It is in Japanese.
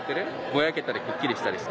ぼやけたりくっきりしたりしてる？